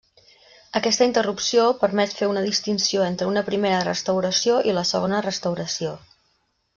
Aquesta interrupció permet fer una distinció entre una primera Restauració i la segona Restauració.